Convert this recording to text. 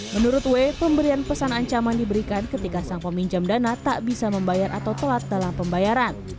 menurut w pemberian pesan ancaman diberikan ketika sang peminjam dana tak bisa membayar atau telat dalam pembayaran